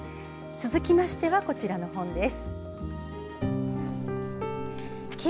続きましては、こちらの本です。